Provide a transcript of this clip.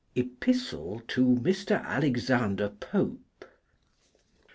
Epistle to Mr. Alexander Pope.